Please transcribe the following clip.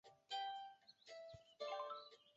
站前设单渡线。